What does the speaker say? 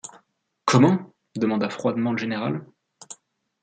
Comment? demanda froidement le général.